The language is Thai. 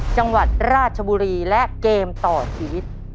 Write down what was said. จังหวัดราชบุรีและเกมต่อชีวิต